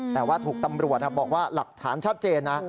แต่ว่าถูกตำรวจบอกว่าหลักฐานชัดเจนนะ